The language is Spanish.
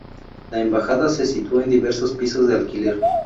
La Embajada se situó en diversos pisos de alquiler.